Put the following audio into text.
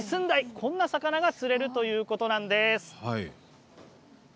こんな魚が釣れるということなんです。